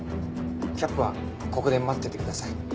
キャップはここで待っていてください。